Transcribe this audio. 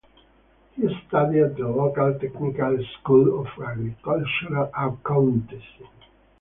He studied at the local Technical School of Agricultural Accountancy.